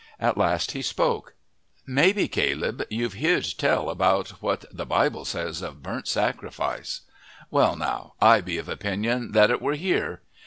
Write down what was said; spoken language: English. At last he spoke. "Maybe, Caleb, you've beared tell about what the Bible says of burnt sacrifice. Well now, I be of opinion that it were here.